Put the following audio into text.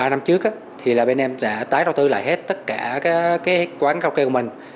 ba năm trước thì bên em đã tái đầu tư lại hết tất cả các quán karaoke của mình